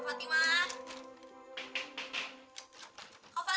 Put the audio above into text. orang itu menolong aku